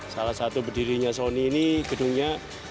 salah satu berdirinya sony ini gedungnya